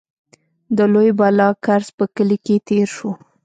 د لوی بالاکرز په کلي کې تېر شوو.